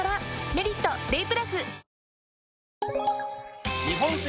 「メリットＤＡＹ＋」